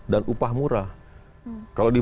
dan upah murah kalau di